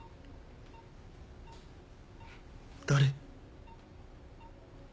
誰？